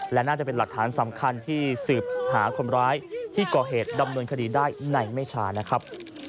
และน่าจะเป็นหลักฐานสำคัญที่สืบหาคนร้ายที่ก่อเหตุดำเนินคดีได้ในไม่ช้านะครับ